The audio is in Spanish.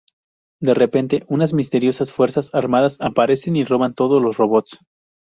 De repente unas misteriosas fuerzas armadas aparecen y roban todos los robots.